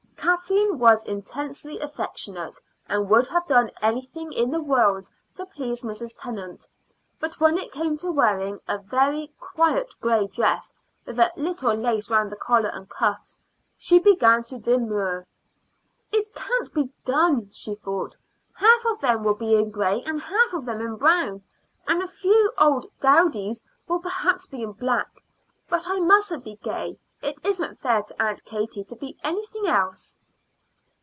Kathleen was intensely affectionate, and would have done anything in the world to please Mrs. Tennant; but when it came to wearing a very quiet gray dress with a little lace round the collar and cuffs, she begun to demur. "It can't be done," she thought. "Half of them will be in gray and half of them in brown, and a few old dowdies will perhaps be in black. But I must be gay; it isn't fair to Aunt Katie to be anything else."